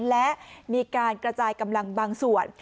และมีการกระจายกำลังบางส่วน